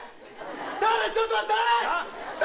ちょっと待って誰！